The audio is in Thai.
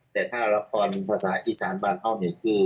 แต่ถ้าละครภาษาอีสานบานอ้อมเนี่ยคือ